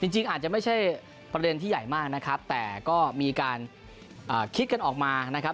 จริงอาจจะไม่ใช่ประเด็นที่ใหญ่มากนะครับแต่ก็มีการคิดกันออกมานะครับ